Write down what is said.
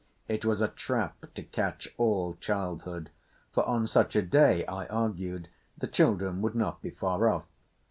It was a trap to catch all childhood, for on such a day, I argued, the children would not be far off.